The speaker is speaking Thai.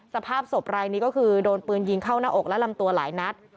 สภาพศพรายนี้ก็คือโดนปืนยิงเข้าหน้าอกและลำตัวหลายนัด